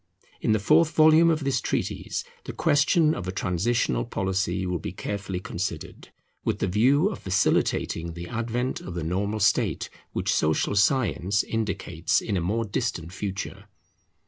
In the fourth volume of this treatise the question of a transitional policy will be carefully considered, with the view of facilitating the advent of the normal state which social science indicates in a more distant future.